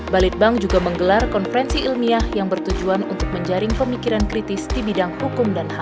balitbank juga menggelar konferensi ilmiah yang bertujuan untuk menjaring pemikiran kritis di bidang hukum dan ham